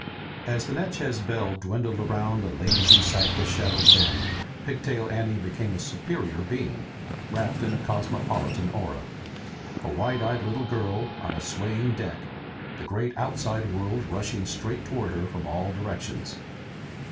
As the Natchez Belle dwindled around a lazy, cypress shadowed bend Pigtail Anne became a superior being, wrapped in a cosmopolitan aura. A wide eyed little girl on a swaying deck, the great outside world rushing straight toward her from all directions.